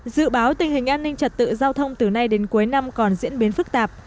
dự báo tình hình an ninh trật tự giao thông từ nay đến cuối năm còn diễn biến phức tạp